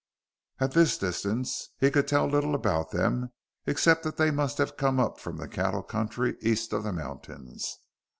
At this distance he could tell little about them except that they must have come up from the cattle country east of the mountains.